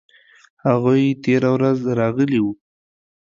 هغوی تیره ورځ راغلي وو